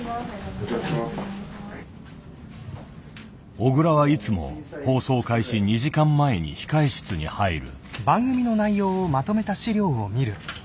小倉はいつも放送開始２時間前に控え室に入る。